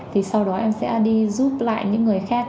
thì sau đó em sẽ đi giúp lại những người khác